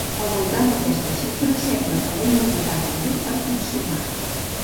Al voltant d’aquesta xifra, sembla que la immunitat de grup pot funcionar.